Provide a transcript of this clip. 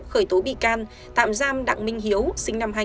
khởi tố bị can tạm giam đặng minh hiếu sinh năm hai nghìn